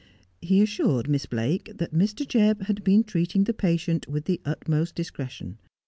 He assured Miss Blake that Mr. Jebb had been treating the patient with the utmost discretion.